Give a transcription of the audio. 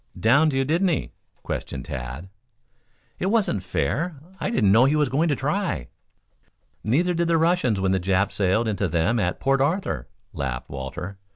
"Downed you, did he?" questioned Tad. "It wasn't fair. I didn't know he was going to try." "Neither did the Russians when the Japs sailed into them at Port Arthur," laughed Walter.